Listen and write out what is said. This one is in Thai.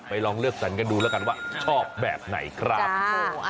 ลองเลือกสรรกันดูแล้วกันว่าชอบแบบไหนครับ